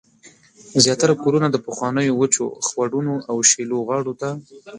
زیاتره کورونه د پخوانیو وچو خوړونو او شیلو غاړو ته